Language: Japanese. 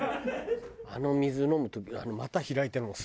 あの水飲む時股開いてるのもすごいね。